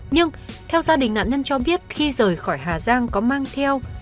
nhưng theo gia đình nạn nhân cho biết khi rời khỏi hà giang có mang theo